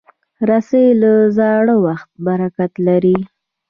رسۍ له زاړه وخت برکته لري.